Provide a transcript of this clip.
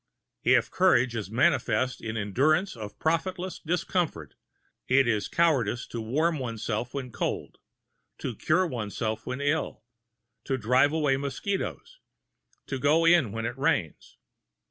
If courage is manifest in endurance of profitless discomfort it is cowardice to warm oneself when cold, to cure oneself when ill, to drive away mosquitoes, to go in when it rains.